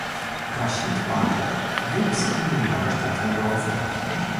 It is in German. Rashid Bakr wuchs im New Yorker Stadtteil Bronx auf.